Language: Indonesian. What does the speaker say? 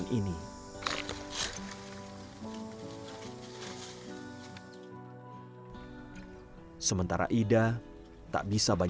so tunjuk bekerja aja ilang ya akipun presence